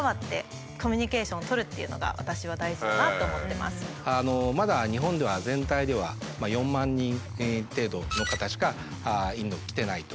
なのでやっぱはっきりまだ日本では全体では４万人程度の方しかインド来てないと。